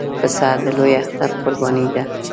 پسه د لوی اختر قرباني ده.